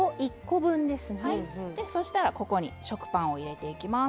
そしたらここに食パンを入れていきます。